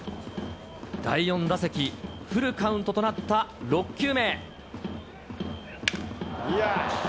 第４打席、フルカウントとなった６球目。